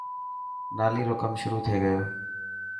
نالي رو ڪم شروع ٿي گيو.